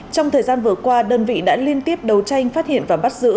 trong thời gian vừa qua đơn vị đã liên tiếp đấu tranh phát hiện và bắt giữ